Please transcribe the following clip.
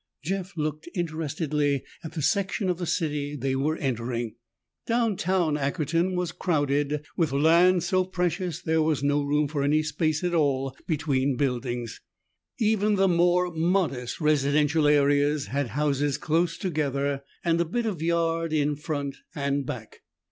Jeff looked interestedly at the section of the city they were entering. Downtown Ackerton was crowded, with land so precious that there was no room for any space at all between buildings. Even the more modest residential areas had houses close together and a bit of yard in front and back.